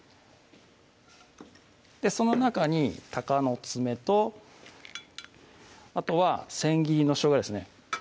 その中にたかのつめとあとはせん切りのしょうがですね